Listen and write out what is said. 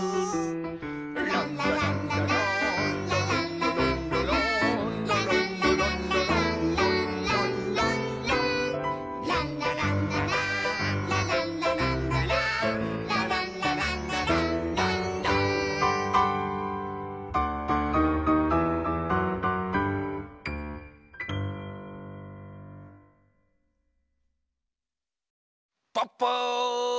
「ランラランラランラランラランラランラ」「ランラランラランランランランラン」「ランラランラランラランラランラランラ」「ランラランラランランラン」プップー！